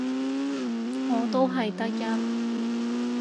我都係得一